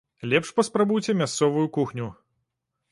Лепш паспрабуйце мясцовую кухню.